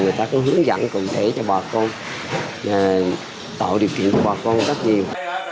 người ta có hướng dẫn cụ thể cho bà con tạo điều kiện cho bà con rất nhiều